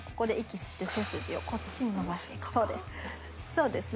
そうですね。